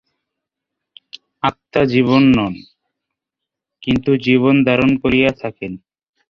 আত্মা জীবন নন, কিন্তু জীবনধারণ করিয়া থাকেন।